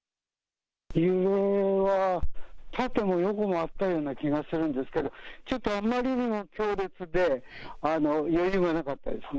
揺れは、縦も横もあったような気がするんですけど、ちょっとあまりにも強烈で、余裕がなかったですね。